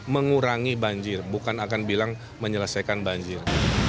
mengurangi banjir bukan akan bilang menyelesaikan banjir